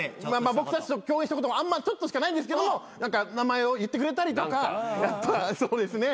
僕たちと共演したことちょっとしかないんですけども名前を言ってくれたりとかやっぱそうですね。